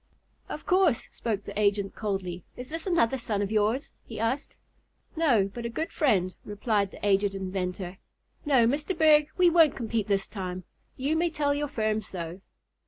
"Of course," spoke the agent coldly. "Is this another son of yours?" he asked. "No but a good friend," replied the aged inventor. "No, Mr. Berg, we won't compete this time. You may tell your firm so."